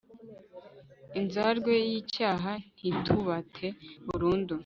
inzarwe y'icyaha ntitubate burundu